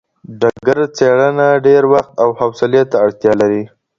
ډګر څېړنه ډېر وخت او حوصلې ته اړتیا لري.